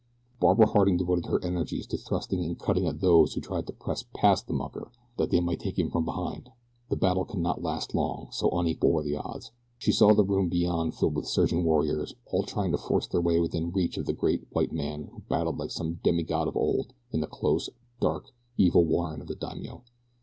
Barbara Harding devoted her energies to thrusting and cutting at those who tried to press past the mucker, that they might take him from behind. The battle could not last long, so unequal were the odds. She saw the room beyond filled with surging warriors all trying to force their way within reach of the great white man who battled like some demigod of old in the close, dark, evil warren of the daimio.